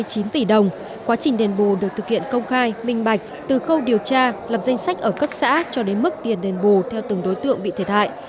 các ngư dân nhận tiền đền bù được thực hiện công khai minh bạch từ khâu điều tra lập danh sách ở cấp xã cho đến mức tiền đền bù theo từng đối tượng bị thể thại